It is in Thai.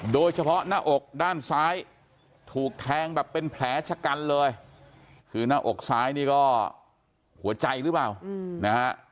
โดยเฉพาะหน้าอกด้านซ้ายถูกแทงแบบเป็นแผลชะกันเลยคือหน้าอกซ้ายนี่ก็หัวใจหรือเปล่านะฮะ